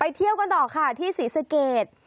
เที่ยวกันต่อค่ะที่ศรีสเกต